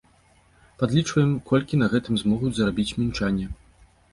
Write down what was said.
Падлічваем, колькі на гэтым змогуць зарабіць мінчане.